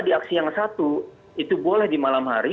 di aksi yang satu itu boleh di malam hari